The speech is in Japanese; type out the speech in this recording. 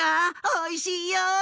おいしいよ！